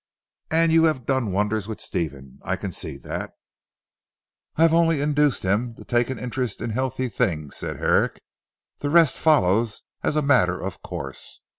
And you have done wonders with Stephen. I can see that." "I have only induced him to take an interest in healthy things," said Herrick, "the rest follows as a matter of course.